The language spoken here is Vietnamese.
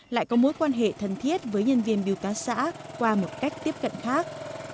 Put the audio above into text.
lại có mối quan hệ thân thiết với nhân viên biêu tá xã qua một cách tiếp cận khác